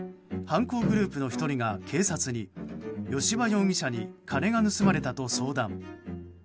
犯行グループの１人が警察に吉羽容疑者に金が盗まれたと相談。